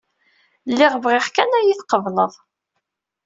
Lliɣ bɣiɣ kan ad iyi-tqebled.